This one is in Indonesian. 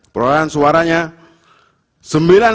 dan ghibran raka bumeng raka